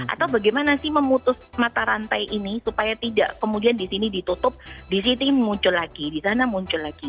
atau bagaimana sih memutus mata rantai ini supaya tidak kemudian di sini ditutup di sini muncul lagi di sana muncul lagi